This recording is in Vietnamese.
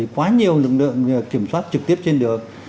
quá nhiều lực lượng kiểm soát trực tiếp trên đường